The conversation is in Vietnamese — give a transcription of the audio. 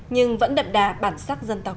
nhưng vẫn đậm đà bản sắc dân tộc